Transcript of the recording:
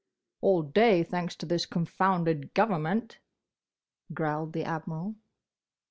"All day; thanks to this confounded government," growled the Admiral.